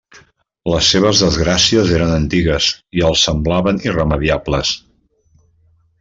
Les seves desgràcies eren antigues i els semblaven irremeiables.